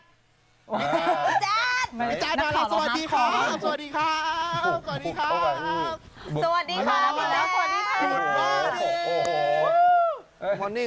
ทำไมเขาไม่ลงมาข้างล่างดี